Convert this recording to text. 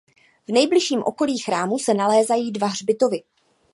V nejbližším okolí chrámu se nalézají dva hřbitovy.